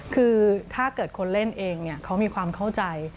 คือถ้าเกิดคนเล่นเองเขามีความเข้าใจ